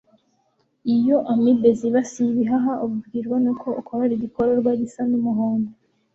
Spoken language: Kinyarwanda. Iyo Amibe zibasiye ibihaha ubibwirwa n'uko ukorora igikororwa gisa n'umuhondo